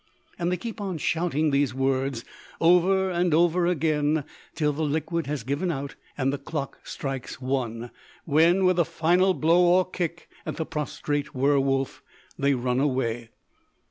They keep on shouting these words over and over again till the liquid has given out and the clock strikes one; when, with a final blow or kick at the prostrate werwolf, they run away.